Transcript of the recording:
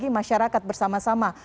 jadi masyarakat bersama sama